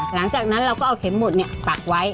หลังจากนั้นเราก็เอาเข็มหมุดปักไว้